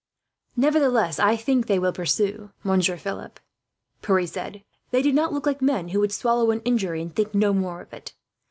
"Nevertheless, I think they will pursue, Monsieur Philip," Pierre said. "They did not look like men who would swallow an injury, and think no more of it.